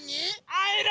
あえる！